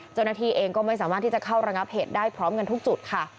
เจ้าหน้าที่เองก็ไม่สามารถที่จะเข้าระงับเหตุได้พร้อมกันทุกจุดค่ะ